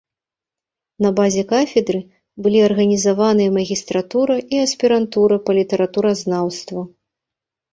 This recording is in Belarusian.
На базе кафедры былі арганізаваныя магістратура і аспірантура па літаратуразнаўству.